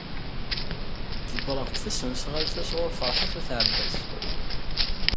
Ḍebbreɣ-d tasnasɣalt-a sɣur Ferḥat n At Ɛebbas.